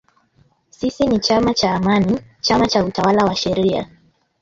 Sisi ni chama cha Amani, chama cha utawala wa sheria